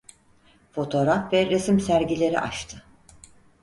Fotoğraf ve resim sergileri açtı.